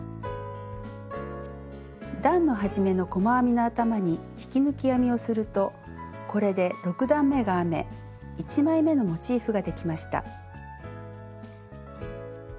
段の始めの細編みの頭に引き抜き編みをするとこれで６段めが編め１枚めのモチーフができました。